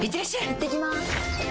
いってきます！